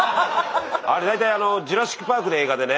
あれ大体「ジュラシック・パーク」って映画でね